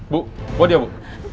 bu buat dia bu